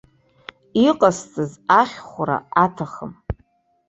Иҟасҵаз ахьхәра аҭахым.